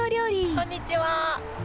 こんにちは。